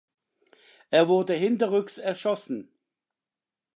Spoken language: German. Er wurde hinterrücks erschossen.